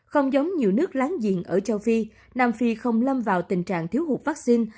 không giống nhiều nước láng giềng ở châu phi nam phi không lâm vào tình trạng thiếu hụt vaccine